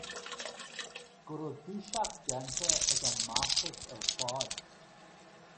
Go raibh dúiseacht déanta ag an mbeartas ar fad.